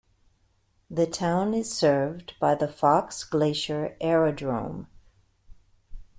The town is served by the Fox Glacier Aerodrome.